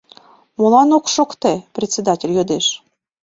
— Молан ок шокте? — председатель йодеш.